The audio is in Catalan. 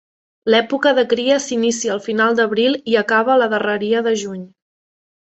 L'època de cria s'inicia al final d'abril i acaba a la darreria de juny.